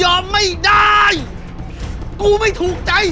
ฉันจะตัดพ่อตัดลูกกับแกเลย